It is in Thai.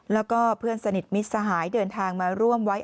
แล้วก็เพื่อนสนิทมิตรสหายเดินทางมาร่วมไว้